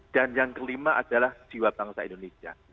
dan yang kelima adalah jiwa bangsa indonesia